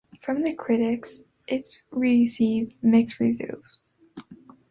From the critics, it received mixed reviews.